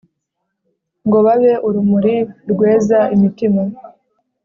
ngo babe urumuri rweza imitima.